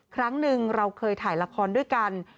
ครั้งหนึ่งเราเคยถ่ายละครด้วยกัน